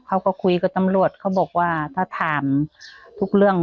เขาก็คุยกับตำรวจเขาบอกว่าถ้าถามทุกเรื่อง